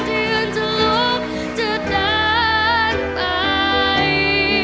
ยืนจะลุกจะเดินไป